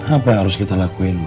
apa yang harus kita lakuin